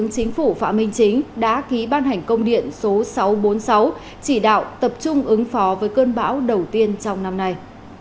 chính phủ phạm minh chính đã ký ban hành công điện số sáu trăm bốn mươi sáu chỉ đạo tập trung ứng phó với cơn bão đầu tiên trong năm nay